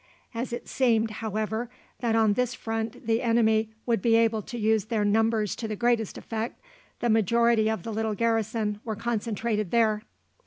As it seemed, however, that on this front the enemy would be able to use their numbers to the greatest effect, the majority of the little garrison were concentrated there.